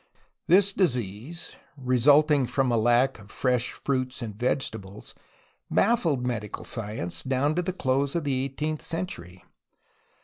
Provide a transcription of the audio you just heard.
This disease, resulting from a lack of fresh fruits and vegetables, baffled medical science, down to the close of the eighteenth century.